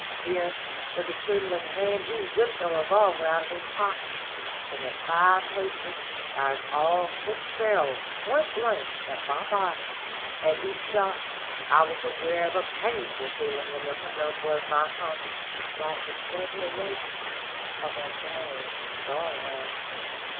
Then with a trembling hand he whipped a revolver out of his pocket, and at five paces fired all six barrels point blank at my body. At each shot I was aware of a painful feeling in the penumbra of my consciousness, like the sudden awakening of a buried sorrow."